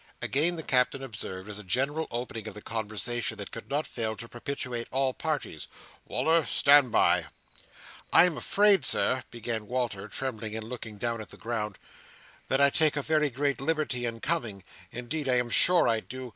Again the Captain observed, as a general opening of the conversation that could not fail to propitiate all parties, "Wal"r, standby!" "I am afraid, Sir," began Walter, trembling, and looking down at the ground, "that I take a very great liberty in coming—indeed, I am sure I do.